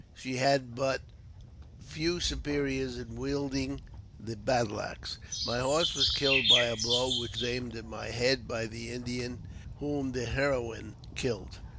She had but few superiors in wielding the battle axe. My horse was killed by the blow which was aimed at my head by the Indian whom the heroine killed.